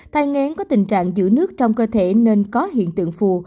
thai ngén có tình trạng giữ nước trong cơ thể nên có hiện tượng phù